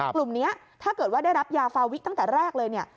กลุ่มนี้ถ้าเกิดว่าได้รับยาฟาวิตั้งแต่แรกเลยเนี่ย